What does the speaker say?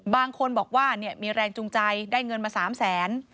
บางคนบอกว่ามีแรงจูงใจได้เงินมา๓แสน